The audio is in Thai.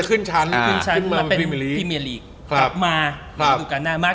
กลับมา